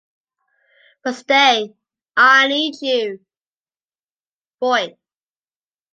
But stay, I need you...